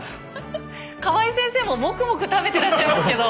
河合先生も黙々食べてらっしゃいますけど。